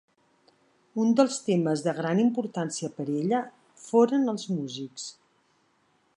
Un dels temes de gran importància per ella foren els músics.